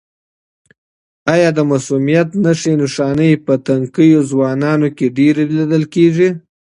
آیا د مسمومیت نښې نښانې په تنکیو ځوانانو کې ډېرې لیدل کیږي؟